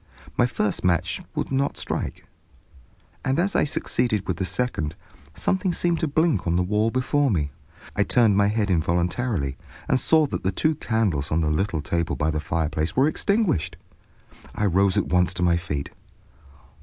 My first match would not strike, and as I succeeded with the second, something seemed to blink on the wall before me. I turned my head involuntarily and saw that the two candles on the little table by the fireplace were extinguished. I rose at once to my feet.